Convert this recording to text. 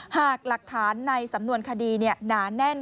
หากหลักฐานในสำนวนคดีหนาแน่น